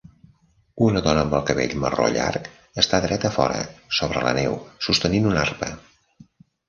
Una dona amb el cabell marró llarg està dreta fora, sobre la neu, sostenint una arpa.